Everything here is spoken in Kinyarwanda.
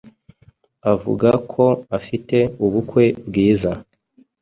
avuga ko afite ubukwe bwiza